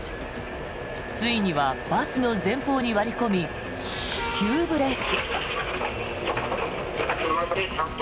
ついにはバスの前方に割り込み急ブレーキ。